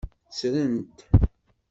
Ttren-t.